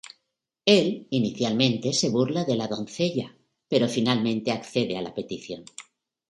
Él, inicialmente, se burla de la doncella, pero finalmente accede a la petición.